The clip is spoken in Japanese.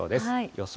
予想